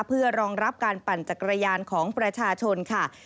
เพื่อรองรับการปั่นจักรยานของประชาชนค่ะ